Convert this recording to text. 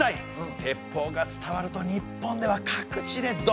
鉄砲が伝わると日本では各地でどんどん。